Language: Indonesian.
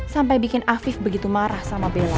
sampai bikin afif begitu marah sama bella